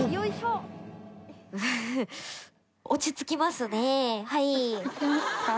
落ち着きますか？